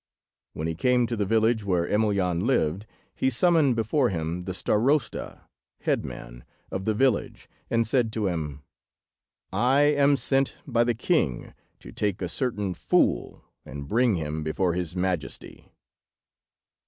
When he came to the village where Emelyan lived, he summoned before him the Starosta (Head man) of the village, and said to him— "I am sent by the king to take a certain fool, and bring him before his majesty."